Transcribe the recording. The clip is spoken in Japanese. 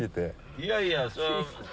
いやいやそれは。